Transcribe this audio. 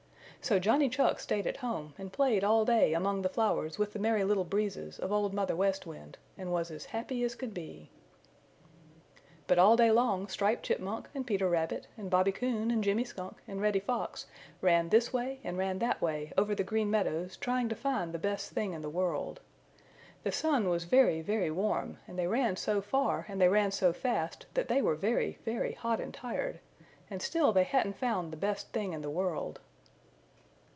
So Johnny Chuck stayed at home and played all day among the flowers with the Merry Little Breezes of Old Mother West Wind and was as happy as could be. But all day long Striped Chipmunk and Peter Rabbit and Bobby Coon and Jimmy Skunk and Reddy Fox ran this way and ran that way over the Green Meadows trying to find the Best Thing in the World. The sun was very, very warm and they ran so far and they ran so fast that they were very, very hot and tired, and still they hadn't found the Best Thing in the World.